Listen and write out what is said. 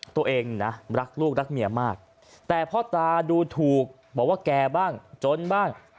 ตัวเองนะรักลูกรักเมียมากแต่พ่อตาดูถูกบอกว่าแก่บ้างจนบ้าง